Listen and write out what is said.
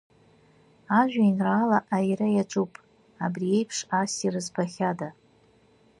Ажәеинраала аира иаҿуп, абри еиԥш ассир збахьада!